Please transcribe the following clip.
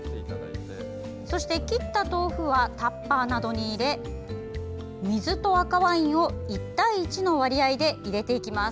そして、切った豆腐はタッパーなどに入れ水と赤ワインを１対１の割合で入れてきます。